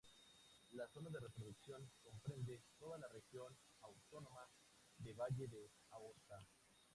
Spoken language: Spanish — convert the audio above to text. La zona de producción comprende toda la región autónoma de Valle de Aosta.